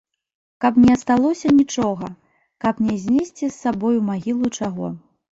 Каб не асталося нічога, каб не знесці з сабой у магілу чаго.